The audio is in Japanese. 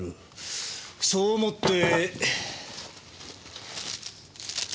そう思って。